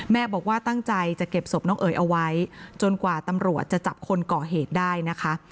บอกว่าตั้งใจจะเก็บศพน้องเอ๋ยเอาไว้จนกว่าตำรวจจะจับคนก่อเหตุได้นะคะ